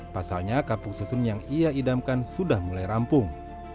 pasalnya kapuk susun yang ia idamkan sudah mulai rampung